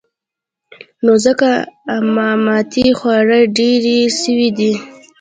نو ځکه امامتې خورا ډېرې سوې وې.